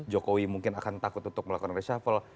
jokowi mungkin akan takut untuk melakukan reshuffle